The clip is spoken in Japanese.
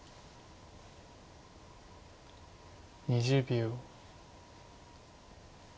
２０秒。